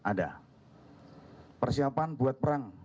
ada persiapan buat perang